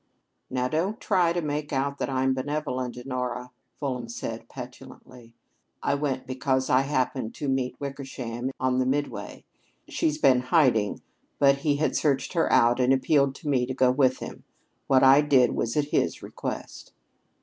"Now, don't try to make out that I'm benevolent, Honora," Fulham said petulantly. "I went because I happened to meet Wickersham on the Midway. She's been hiding, but he had searched her out and appealed to me to go with him. What I did was at his request."